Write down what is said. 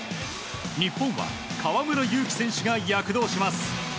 日本は河村勇輝選手が躍動します。